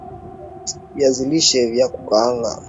Viazi lishe vya kukaanga